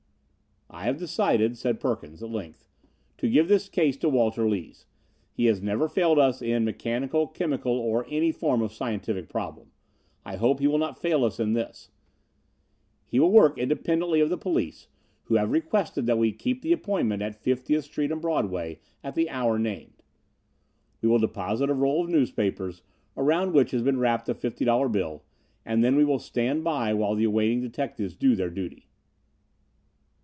"I have decided," said Perkins at length, "to give this case to Walter Lees. He has never failed us in mechanical, chemical, or any form of scientific problem. I hope he will not fail in this. He will work independently of the police, who have requested that we keep the appointment at 50th Street and Broadway at the hour named. We will deposit a roll of newspapers, around which has been wrapped a fifty dollar bill and then we will stand by while the awaiting detectives do their duty."